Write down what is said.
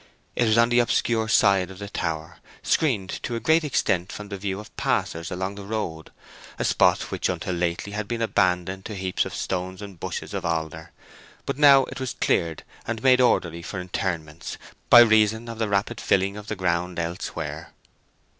It was on the obscure side of the tower, screened to a great extent from the view of passers along the road—a spot which until lately had been abandoned to heaps of stones and bushes of alder, but now it was cleared and made orderly for interments, by reason of the rapid filling of the ground elsewhere.